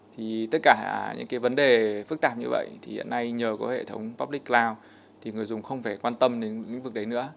thì tất cả những cái vấn đề phức tạp như vậy thì hiện nay nhờ có hệ thống public cloud thì người dùng không phải quan tâm đến lĩnh vực đấy nữa